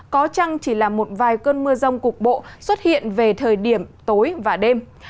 có chăng chỉ là một vài cơn mưa rông cục bộ xuất hiện về thời điểm tối và đêm